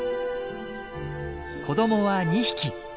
子どもは２匹。